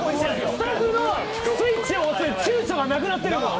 スタッフのスイッチを押すちゅうちょがなくなってるもん。